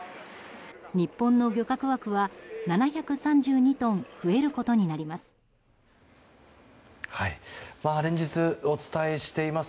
日本の漁獲枠は７３２トン増えることになります。